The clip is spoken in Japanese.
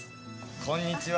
こんにちは